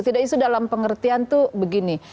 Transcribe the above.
tidak isu dalam pengertian itu begini